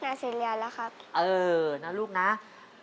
เพราะหนึ่งเรียนแล้วลูกมันอยู่ในหลักสูตรนี้นะครับ